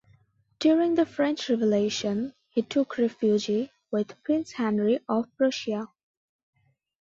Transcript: During the French Revolution he took refuge with Prince Henry of Prussia.